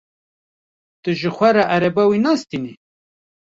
Tu ji xwe ra ereba wî nastînî?